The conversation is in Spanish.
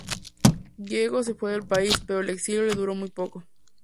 Gieco se fue del país, pero el exilio le duró muy poco.